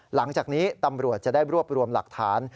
หลังจากนี้ตำรวจจะได้รวบรวมหลักฐาน